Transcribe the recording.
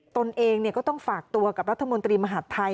ตนเองก็ต้องฝากตัวกับรัฐมนตรีมหาดไทย